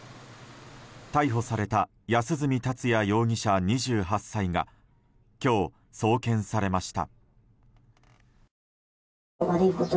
逮捕された安栖達也容疑者、２８歳が今日、送検されました。